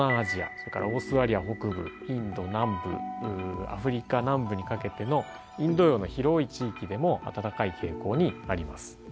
それからオーストラリア北部インド南部アフリカ南部にかけてのインド洋の広い地域でも暖かい傾向にあります。